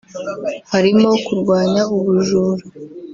harimo kurwanya ubujura